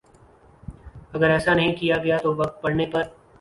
اگر ایسا نہیں کیا گیا تو وقت پڑنے پر